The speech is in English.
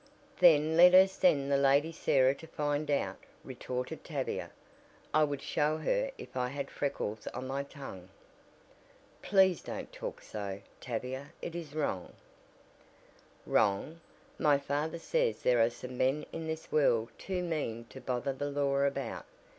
"Then let her send the Lady Sarah to find out," retorted Tavia. "I would show her if I had freckles on my tongue." "Please don't talk so, Tavia, it is wrong " "Wrong? My father says there are some men in this world too mean to bother the law about.